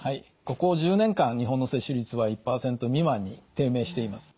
ここ１０年間日本の接種率は１％未満に低迷しています。